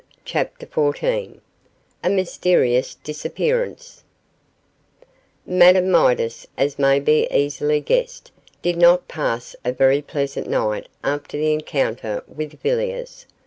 CHAPTER XIV A MYSTERIOUS DISAPPEARANCE Madame Midas, as may be easily guessed, did not pass a very pleasant night after the encounter with Villiers.